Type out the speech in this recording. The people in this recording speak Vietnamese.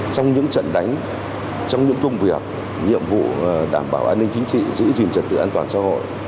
trong những trận đánh trong những công việc nhiệm vụ đảm bảo an ninh chính trị giữ gìn trật tự an toàn xã hội